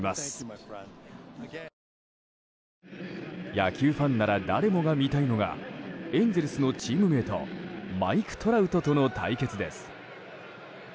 野球ファンなら誰もが見たいのがエンゼルスのチームメートマイク・トラウトとの対決です。